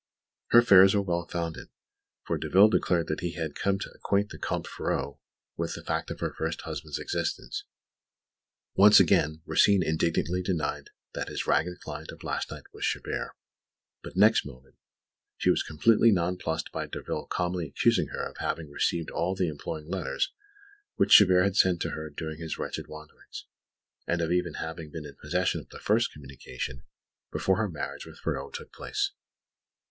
Her fears were well founded; for Derville declared that he had come to acquaint the Comte Ferraud with the fact of her first husband's existence. Once again, Rosine indignantly denied that his ragged client of last night was Chabert; but, next moment, she was completely nonplussed by Derville calmly accusing her of having received all the imploring letters which Chabert had sent to her during his wretched wanderings, and of even having been in possession of his first communication before her marriage with Ferraud took place.